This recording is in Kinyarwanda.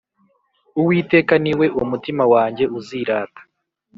Uwiteka ni we umutima wanjye uzirata